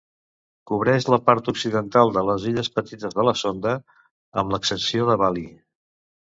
Cobreix la part occidental de les illes Petites de la Sonda, amb l'excepció de Bali.